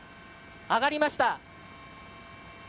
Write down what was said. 上がりました。